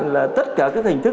là tất cả các hình thức